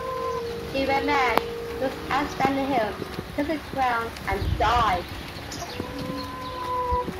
He went mad, threw his axe down the hill, kissed the ground and died.